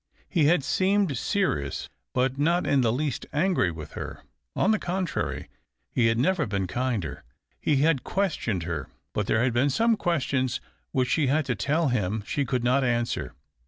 He had seemed serious, but not in the least angry with her ; on the contrary, he had never been kinder. He had questioned her, but there had been some questions which she had to tell him she could not answer.